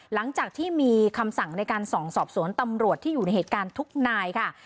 หลังจากที่มีคำสั่งในการส่องสอบสวนตำรวจที่อยู่ในเหตุการณ์ทุกนายค่ะ